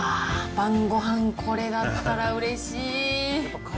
晩ごはん、これだったらうれしい。